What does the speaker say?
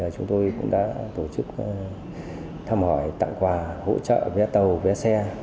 chúng tôi cũng đã tổ chức thăm hỏi tặng quà hỗ trợ vé tàu vé xe